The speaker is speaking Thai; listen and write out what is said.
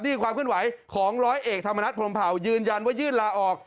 นี่ความขึ้นไหวของร้อยเอกธรรมนัฐพรมเผายืนยันว่ายื่นลาออก